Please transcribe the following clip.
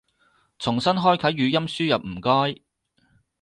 重新開啟語音輸入唔該